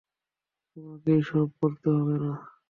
তোমাকেই সব করতে হবে না।